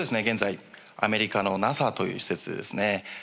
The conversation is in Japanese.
現在アメリカのＮＡＳＡという施設でですね